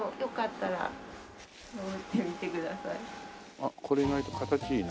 あっこれ意外と形いいな。